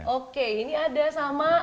oke ini ada sama